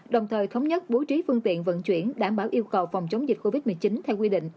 đồng thời thống nhất bố trí phương tiện vận chuyển đảm bảo yêu cầu phòng chống dịch covid một mươi chín theo quy định